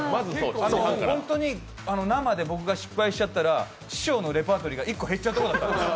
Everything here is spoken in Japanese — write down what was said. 本当に生で僕が失敗しちゃったら師匠のレパートリーが１個減っちゃうところだったんです。